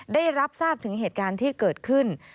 ได้รับทราบถึงเหตุการณ์ที่เกิดขึ้น